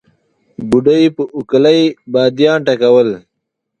بوډۍ په اوکلۍ باديان ټکول.